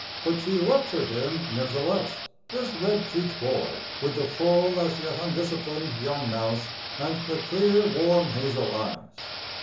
But she lectured him nevertheless, this red cheeked boy with the full as yet undisciplined young mouth and the clear, warm hazel eyes.